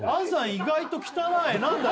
意外と汚い何だ？